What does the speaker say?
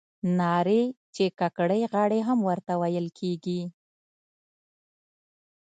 نارې چې کاکړۍ غاړې هم ورته ویل کیږي.